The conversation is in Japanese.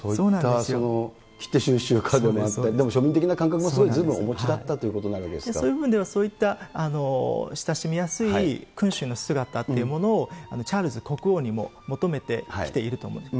でも庶民的な感覚もずいぶんお持ちだったということになるわけでそういう意味では、そういった親しみやすい君主の姿というものを、チャールズ国王にも求めてきていると思います。